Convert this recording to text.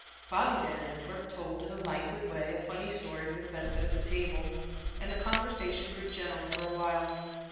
Bobby Van Antwerp told, in a languid way, a funny story for the benefit of the table, and the conversation grew general for awhile.